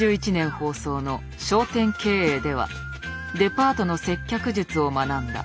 放送の「商店経営」ではデパートの接客術を学んだ。